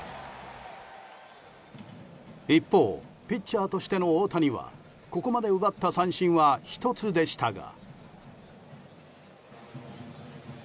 一方、ピッチャーとしての大谷はここまで奪った三振は１つでしたが。